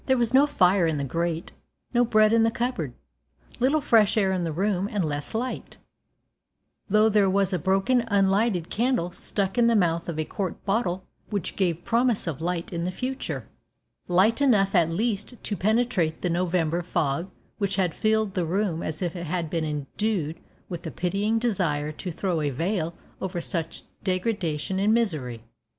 There was no fire in the grate, no bread in the cupboard, little fresh air in the room and less light, though there was a broken unlighted candle stuck in the mouth of a quart bottle which gave promise of light in the future light enough at least to penetrate the November fog which had filled the room as if it had been endued with a pitying desire to throw a veil over such degradation and misery.